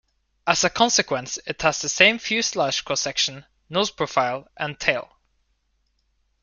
As a consequence, it has the same fuselage cross-section, nose profile, and tail.